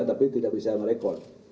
tapi tidak bisa merekod